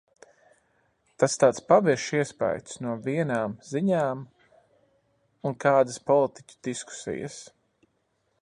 Tas tāds paviršs iespaids no vienām ziņām un kādas politiķu diskusijas.